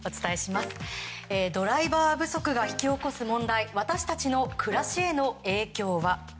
ドライバー不足が引き起こす問題私たちの暮らしへの影響は？